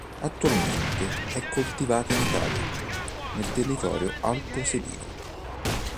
Attualmente è coltivata in Italia nel territorio Alto Sebino.